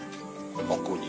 ここに？